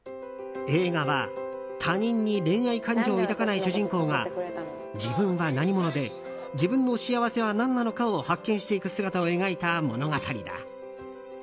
映画は、他人に恋愛感情を抱かない主人公が自分は何者で自分の幸せは何なのかを発見していく姿を描いた物語だ。